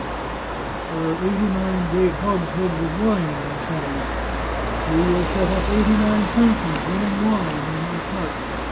There are eighty nine great hogsheads of wine in my cellars. You will set up eighty nine fountains running wine in my park.